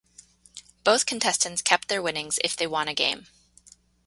Both contestants kept their winnings if they won a game.